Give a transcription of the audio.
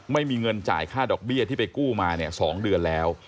ไม่มีเงินจ่ายค่าดอกเบี้ยที่ไปกู้มาเนี่ย๒เดือนแล้ว